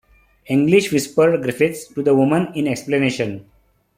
"English," whispered Griffiths to the woman, in explanation.